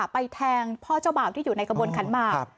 แทงพ่อเจ้าบ่าวที่อยู่ในกระบวนขันหมาก